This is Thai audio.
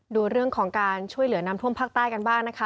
ดูเรื่องของการช่วยเหลือน้ำท่วมภาคใต้กันบ้างนะคะ